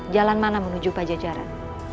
jalan mana menuju pajajaran